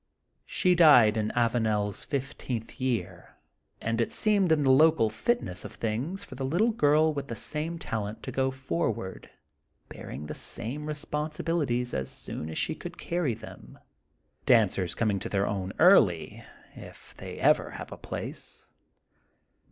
She died in AvanePs fifteenth year. And it seemed in the local fitness of things for the little girl with the same talent to go forward bearing the same responsibilities as soon as she could carry them, dancers coming to their own early, if they ever have a place.